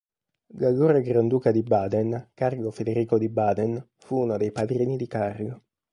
L'allora granduca di Baden, Carlo Federico di Baden, fu uno dei padrini di Karl.